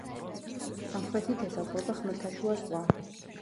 სამხრეთით ესაზღვრება ხმელთაშუა ზღვა.